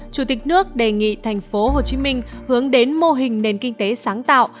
chủ tịch nước đề nghị thành phố hồ chí minh hướng đến mô hình nền kinh tế sáng tạo